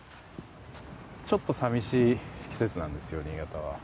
ちょっと寂しい季節なんですよ新潟は。